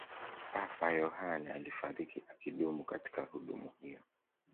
papa yohane alifariki akidumu katika huduma hiyo